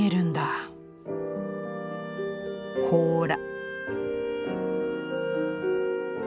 ほら」。